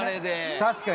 確かに。